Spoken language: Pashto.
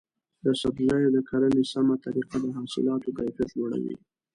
د سبزیو د کرنې سمه طریقه د حاصلاتو کیفیت لوړوي.